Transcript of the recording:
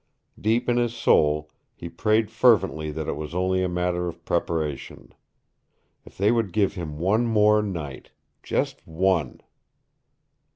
Deep in his soul he prayed fervently that it was only a matter of preparation. If they would give him one more night just one!